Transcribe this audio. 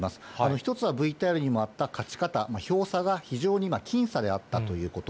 １つはＶＴＲにもあった勝ち方、票差が非常に僅差であったということ。